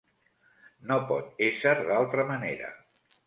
No pot ésser d'altra manera.